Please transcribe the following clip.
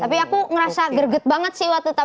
tapi aku ngerasa gerget banget sih waktu